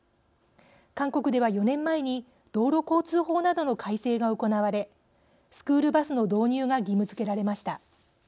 韓国では４年前に道路交通法などの改正が行われスクールバスの導入が義務づけられました。